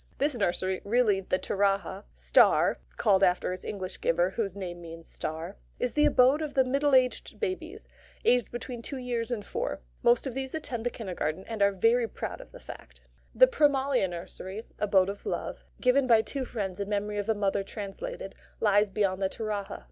This nursery, really the Taraha (Star, called after its English giver, whose name means "star") is the abode of the middle aged babies, aged between two years and four. Most of these attend the kindergarten, and are very proud of the fact. The Prémalia nursery (Abode of Love), given by two friends in memory of a mother translated, lies beyond the Taraha.